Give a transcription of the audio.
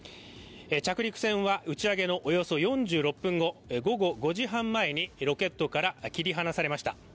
着陸船は打ち上げのおよそ４６分後、午後５時半にロケットから切り離されました。